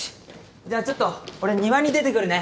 じゃあちょっと俺庭に出てくるね。